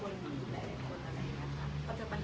หรือบหลายคนสำหรับแบบนั้น